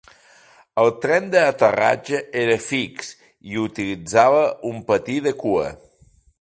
El tren d'aterratge era fix i utilitzava un patí de cua.